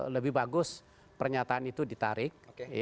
lebih bagus pernyataan itu ditarik